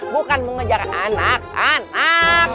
bukan mengejar anak anak